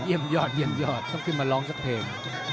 เอียดยอดจะขึ้นมาร้องสักเพลง